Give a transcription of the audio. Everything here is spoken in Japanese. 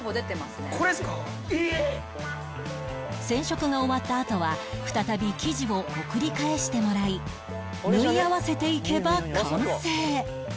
染色が終わったあとは再び生地を送り返してもらい縫い合わせていけば完成